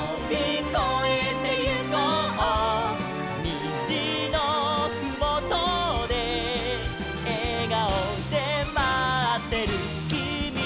「にじのふもとでえがおでまってるきみがいる」